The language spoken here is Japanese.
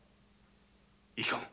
いかん！